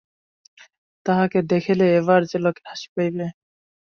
তাহাকে দেখিলে এবার যে লোকের হাসি পাইবে?